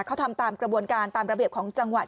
เขาทำตามกระบวนการตามระเบียบของจังหวัด